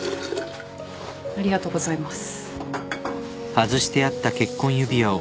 ありがとうございます。